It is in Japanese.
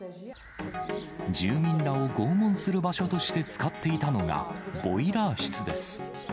住民らを拷問する場所として使っていたのがボイラー室です。